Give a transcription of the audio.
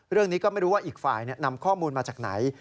เรื่องนี้ก็ไม่รู้ว่าอีกฝ่ายนำข้อมูลมาจากไหน